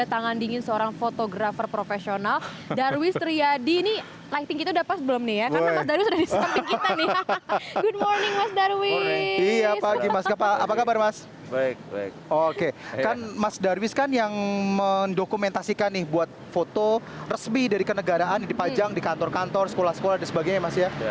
anda mendokumentasikan foto resmi dari kenegaraan dipajang di kantor kantor sekolah sekolah dan sebagainya